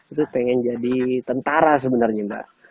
itu pengen jadi tentara sebenarnya mbak